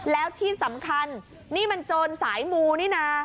แล้วที่สำคัญนี่มันโจรสายมูนี่นะ